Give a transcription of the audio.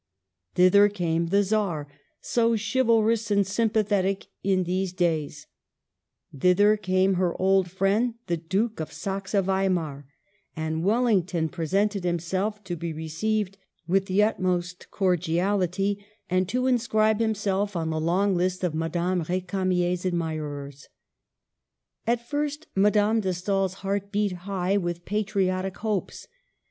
Thither came the Czar, so chivalrous and sympathetic in these days ; thither came her old friend the Duke of Saxe Weimar; and Wellington presented him self to be received with the utmost cordiality, and Digitized by VjOOQIC 1 88 MADAME DE STA&L. to inscribe himself on the long list of Madame R^camier's admirers. At first Madame de Stael's heart beat high with patriotic hopes.